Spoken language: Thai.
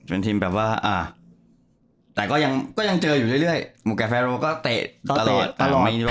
เป็นทีมแบบว่าอ่ะแต่ก็ยังเจออยู่เรื่อยหมวกกับแฟโรก็เตะตลอด